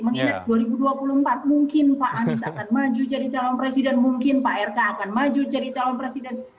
mengingat dua ribu dua puluh empat mungkin pak anies akan maju jadi calon presiden mungkin pak rk akan maju jadi calon presiden